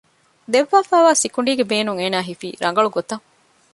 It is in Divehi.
ދެއްވާފައިވާ ސިކުނޑީގެ ބޭނުން އޭނާ ހިފީ ރަނގަޅު ގޮތަށް